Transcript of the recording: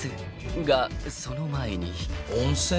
［がその前に］温泉？